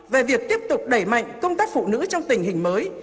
về việc tiếp tục đẩy mạnh công tác phụ nữ trong tình hình mới